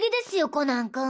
コナン君。